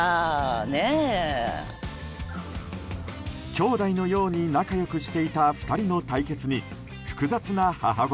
兄弟のように仲良くしていた２人の対決に複雑な母心。